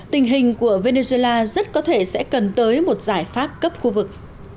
tình hình của venezuela rất có thể sẽ cần tới một giải pháp cấp khu vực